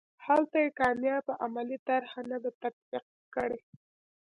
هلته یې کامیابه عملي طرحه نه ده تطبیق کړې.